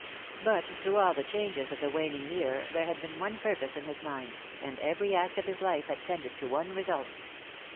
But through all the changes of the waning year there had been one purpose in his mind, and every act of his life had tended to one result.